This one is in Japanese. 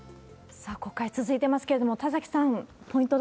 さあ、国会続いてますけれども、田崎さん、ポイント